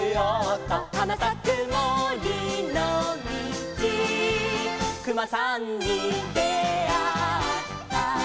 「はなさくもりのみちくまさんにであった」